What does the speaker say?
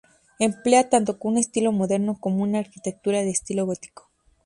Emplea tanto un estilo moderno como una arquitectura de estilo gótico.